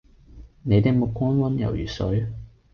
你的目光溫柔如水